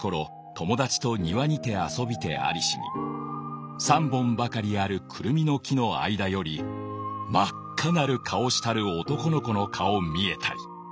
友だちと庭にて遊びてありしに三本ばかりある胡桃の木の間より真赤なる顔したる男の子の顔見えたり。